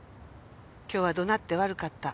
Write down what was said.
「今日は怒鳴って悪かった。